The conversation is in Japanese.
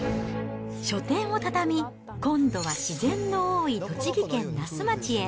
書店を畳み、今度は自然の多い栃木県那須町へ。